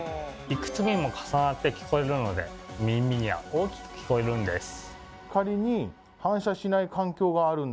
いくつにも重なって聞こえるので耳には大きく聞こえるんです。